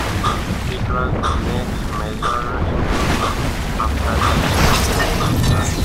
It was the next major improvement after the scorpio.